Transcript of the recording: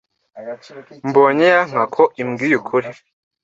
Mbonye ya nka ko imbwiye ukuri,